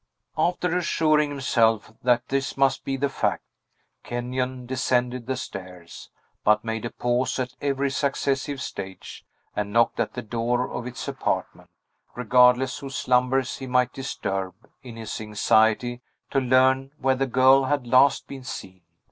After assuring himself that this must be the fact, Kenyon descended the stairs, but made a pause at every successive stage, and knocked at the door of its apartment, regardless whose slumbers he might disturb, in his anxiety to learn where the girl had last been seen.